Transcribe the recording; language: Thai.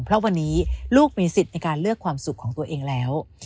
เพราะวันนี้ลูกมีสิทธิ์ในการเลือกความสุขของตัวเองแล้ว